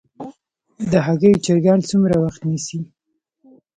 د هګیو چرګان څومره وخت نیسي؟